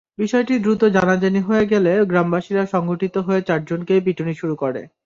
বিষয়টি দ্রুত জানাজানি হয়ে গেলে গ্রামবাসীরা সংগঠিত হয়ে চারজনকেই পিটুনি শুরু করে।